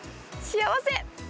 幸せ！